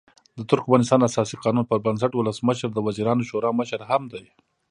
د ترکمنستان اساسي قانون پر بنسټ ولسمشر د وزیرانو شورا مشر هم دی.